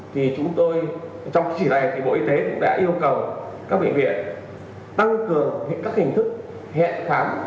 thì chúng tôi trong chỉ này thì bộ y tế cũng đã yêu cầu các bệnh viện tăng cường các hình thức hẹn khám